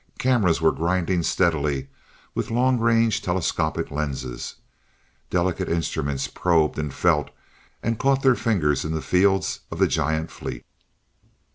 Cameras were grinding steadily, with long range telescopic lenses, delicate instruments probed and felt and caught their fingers in the fields of the giant fleet.